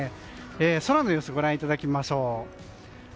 空の様子をご覧いただきましょう。